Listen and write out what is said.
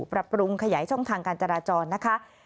ปรับปรุงขยายช่องทางการจราจรนะคะ